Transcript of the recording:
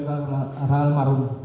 ke arah almarhum